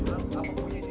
apa punya ini